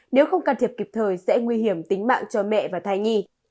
nếu không can thiệp kịp thời sẽ nguy hiểm tính mạng cho mẹ và thai nhi